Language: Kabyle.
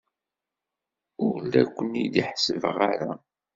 Ur la ken-id-ḥessbeɣ ara.